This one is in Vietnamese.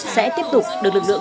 sẽ tiếp tục được lực lượng